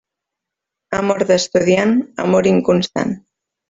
Amor d'estudiant, amor inconstant.